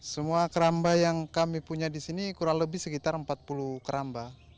semua keramba yang kami punya di sini kurang lebih sekitar empat puluh keramba